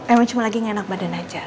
emang cuma lagi ngenak badan aja